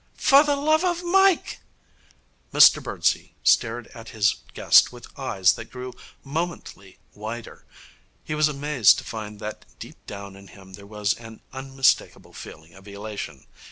'For the love of Mike!' Mr Birdsey stared at his guest with eyes that grew momently wider. He was amazed to find that deep down in him there was an unmistakable feeling of elation.